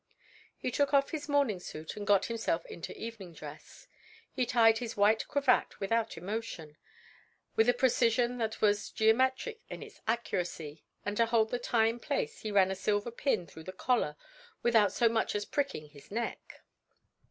He took off his morning suit and got himself into evening dress. He tied his white cravat without emotion, with a precision that was geometric in its accuracy, and to hold the tie in place he ran a silver pin through the collar without so much as pricking his neck.